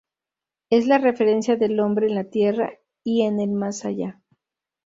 Es la referencia del hombre en la Tierra y en el más allá.